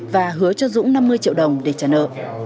và hứa cho dũng năm mươi triệu đồng để trả nợ